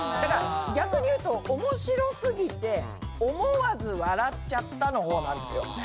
逆に言うと面白すぎて思わず笑っちゃったの方なんですよ。